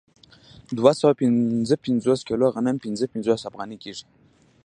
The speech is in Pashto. دوه سوه پنځه پنځوس کیلو غنم پنځه پنځوس افغانۍ کېږي